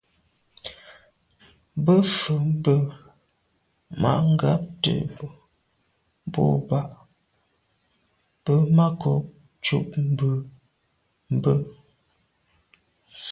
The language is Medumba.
Bə̌k fə̀ mbə́ má ngǎtə̀' bû bá bə̌ má kòb ncúp bú mbə̄.